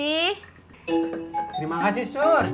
terima kasih sur